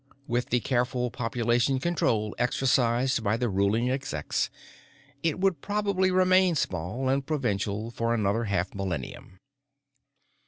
With the careful population control exercised by the ruling Execs, it would probably remain small and provincial for another half millennium.